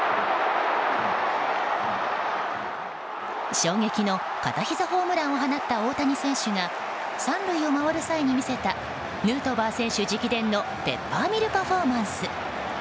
衝撃の片ひざホームランを放った大谷選手が３塁を回る際に見せたヌートバー選手直伝のペッパーミルパフォーマンス。